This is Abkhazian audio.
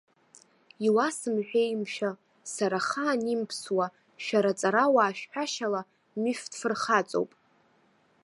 Иуасымҳәеи, мшәа, сара ахаан имԥсуа, шәара аҵарауаа шәҳәашьала, мифтә фырхаҵоуп.